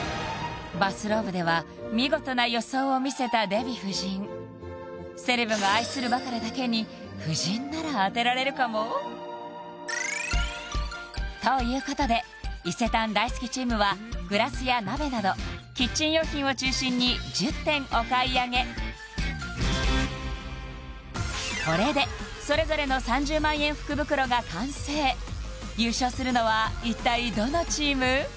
バスローブでは見事な予想を見せたデヴィ夫人セレブが愛するバカラだけに夫人なら当てられるかも？ということで伊勢丹大好きチームはグラスや鍋などキッチン用品を中心に１０点お買い上げこれでそれぞれの３０万円福袋が完成優勝するのは一体どのチーム？